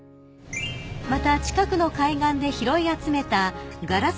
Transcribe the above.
［また近くの海岸で拾い集めたガラスの破片